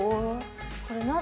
これ何。